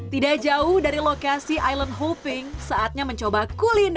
tidak jauh dari lokasi island hoping saatnya mencoba kulina